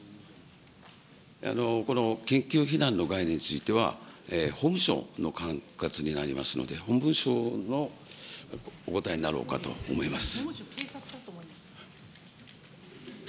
この緊急避難の概念については、法務省の管轄になりますので、法務省のお答えになろうかと思います。